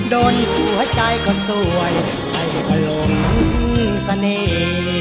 โดนหัวใจคนสวยให้พลมเสน่ห์